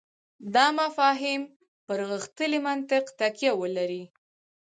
دا مفاهیم پر غښتلي منطق تکیه ولري.